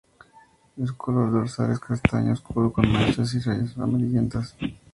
Su color dorsal es castaño oscuro, con manchas y rayas amarillentas.